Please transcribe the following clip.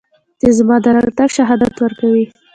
چې زما د راتګ شهادت ورکوي